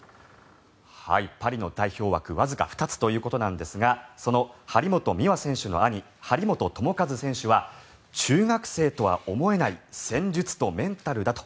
パリの代表枠わずか２つということですがその張本美和選手の兄張本智和選手は中学生とは思えない戦術とメンタルだと